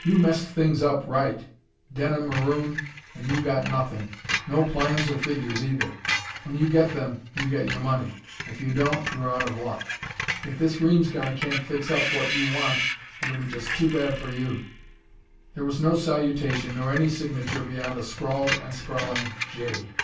"You messed things up right! Denham marooned and you got nothing. No plans or figures either. When you get them, you get your money. If you don't you are out of luck. If this Reames guy can't fix up what you want it'll be just too bad for you." There was no salutation nor any signature beyond a scrawled and sprawling "J."